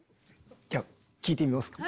じゃ聴いてみますか。